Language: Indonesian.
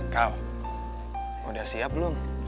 kau udah siap belum